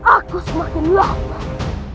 aku semakin lapar